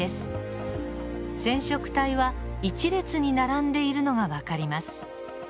染色体は一列に並んでいるのが分かります。